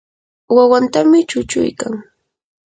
wawantami chuchuykan.